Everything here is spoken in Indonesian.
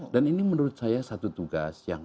dan ini menurut saya satu tugas yang